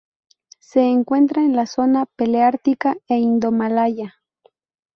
Se encuentra en la zona paleártica e indomalaya.